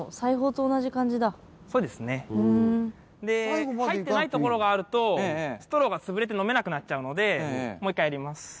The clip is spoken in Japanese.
で入ってないところがあるとストローが潰れて飲めなくなっちゃうのでもう１回やります。